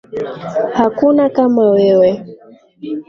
Hakuna kama wewe